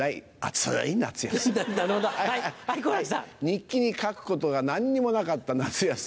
日記に書くことが何にもなかった夏休み。